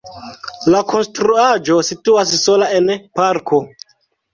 La konstruaĵo situas sola en parko.